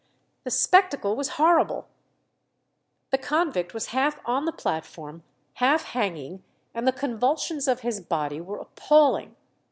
The spectacle was horrible; the convict was half on the platform, half hanging, and the convulsions of his body were appalling.